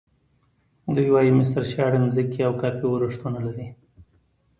دوی وایي مصر شاړې ځمکې او کافي ورښتونه نه لري.